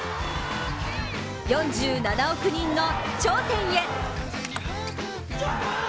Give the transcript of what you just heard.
４７億人の頂点へ。